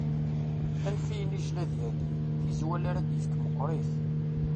Anef i yinijjel ad yali, tirwal ar ad yefk meqqeṛit.